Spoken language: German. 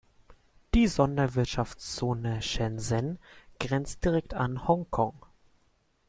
Die Sonderwirtschaftszone Shenzhen grenzt direkt an Hongkong.